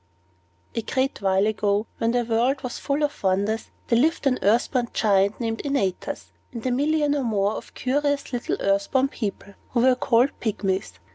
A great while ago, when the world was full of wonders, there lived an earth born Giant, named Antaeus, and a million or more of curious little earth born people, who were called Pygmies.